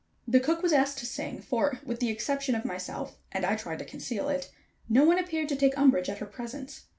The cook was asked to sing, for, with the exception of myself and I tried to conceal it no one appeared to take umbrage at her presence.